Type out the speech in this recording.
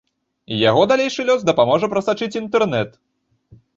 Яго далейшы лёс дапаможа прасачыць інтэрнэт.